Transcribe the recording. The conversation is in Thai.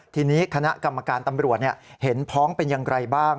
ทีนี้คณะกรรมการตำรวจเห็นพ้องเป็นอย่างไรบ้าง